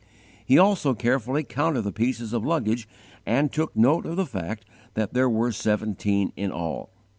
He also carefully counted the pieces of luggage and took note of the fact that there were seventeen in all.